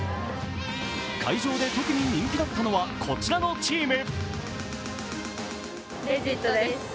会場で特に人気だったのはこちらのチーム。